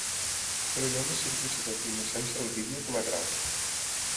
Però hi ha una simplicitat i innocència al vídeo que m'atrau.